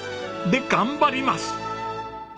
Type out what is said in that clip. で頑張ります！